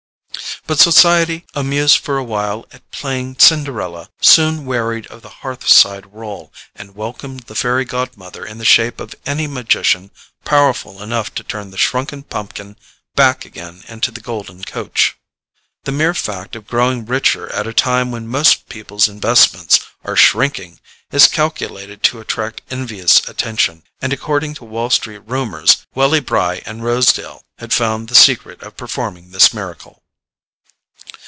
But society, amused for a while at playing Cinderella, soon wearied of the hearthside role, and welcomed the Fairy Godmother in the shape of any magician powerful enough to turn the shrunken pumpkin back again into the golden coach. The mere fact of growing richer at a time when most people's investments are shrinking, is calculated to attract envious attention; and according to Wall Street rumours, Welly Bry and Rosedale had found the secret of performing this miracle.